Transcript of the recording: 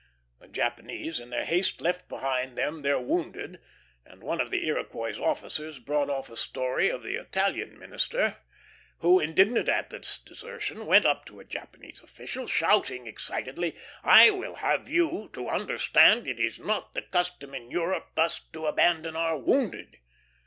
The Japanese in their haste left behind them their wounded, and one of the Iroquois' officers brought off a story of the Italian minister, who, indignant at this desertion, went up to a Japanese official, shouting excitedly, "I will have you to understand it is not the custom in Europe thus to abandon our wounded."